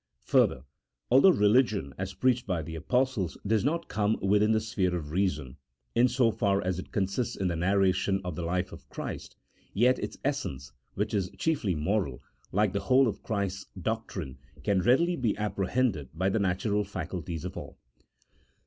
Further, although religion, as preached by the Apostles, does not come within the sphere of reason, in so far as it consists in the narration of the life of Christ, yet its essence, which is chiefly moral, like the whole of Christ's doc trine, can readily be apprehended by the natural faculties of all.